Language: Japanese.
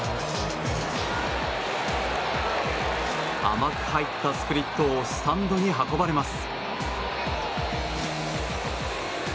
甘く入ったスプリットをスタンドに運ばれます。